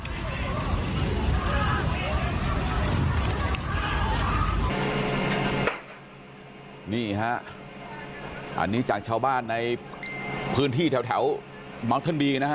บ๊วยบ๊วยนี่ฮะอันนี้จากชาวบ้านในพื้นที่แถวมาล์คเทิลบีนะฮะ